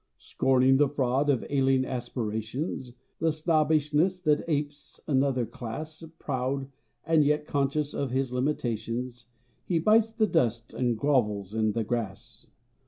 = Scorning the fraud of alien aspirations, `The snobbishness that apes another class, Proud, and yet conscious of his limitations, `He bites the dust and grovels in the grass.